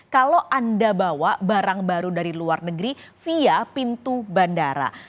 kalau anda bawa barang baru dari luar negeri via pintu bandara